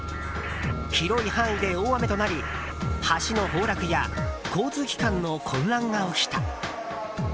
広い範囲で大雨となり橋の崩落や交通機関の混乱が起きた。